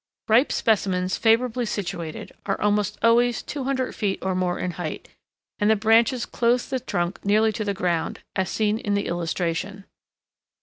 Ripe specimens favorably situated are almost always 200 feet or more in height, and the branches clothe the trunk nearly to the ground, as seen in the illustration.